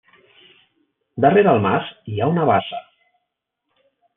Darrere el mas hi ha una bassa.